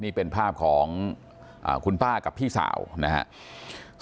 นี่เป็นภาพของคุณป้ากับพี่สาวนะครับ